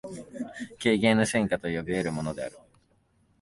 経験の深化と呼び得るものである。